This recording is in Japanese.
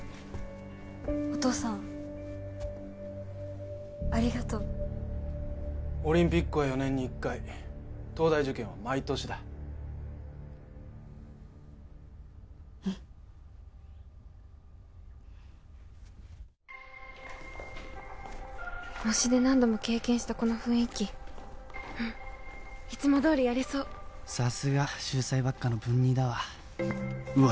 お父さんありがとうオリンピックは４年に１回東大受験は毎年だうん模試で何度も経験したこの雰囲気うんいつもどおりやれそうさすが秀才ばっかの文２だわうわ